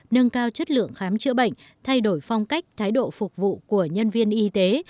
nâng cao chất lượng khám chữa bệnh thay đổi phong cách thái độ phục vụ của nhân viên y tế